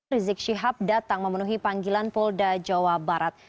rizik syihab datang memenuhi panggilan polda jawa barat